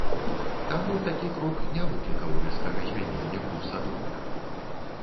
Таму такі крок не выклікаў рэзкага змянення курса долара.